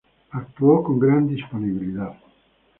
Actuó con gran disponibilidad.